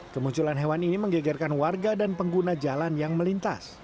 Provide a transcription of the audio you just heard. kemunculan hewan ini menggegerkan warga dan pengguna jalan yang melintas